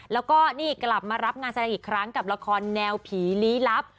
แล้วก็นี่กลับมารับงานแสดงอีกครั้งกับละครแนวผีลี้ลับ